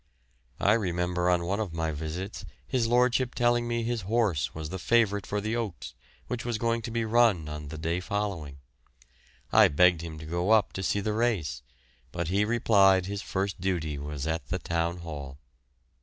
I remember on one of my visits his lordship telling me his horse was the favourite for the Oaks, which was to be run on the day following. I begged him to go up to see the race, but he replied his first duty was at the Town Hall.